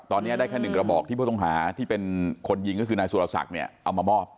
ตอนนี้ได้แค่๑กระบอกที่ผู้ต้องหาที่เป็นคนยิงก็คือนายสุรศักดิ์เนี่ยเอามามอบ